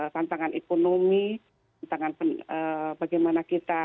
tantangan ekonomi tantangan bagaimana kita